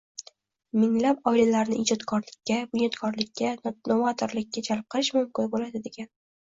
minglab oilalarni ijodkorlikka, bunyodkorlikka, novatorlikka jalb qilish mumkin bo‘ladi degani.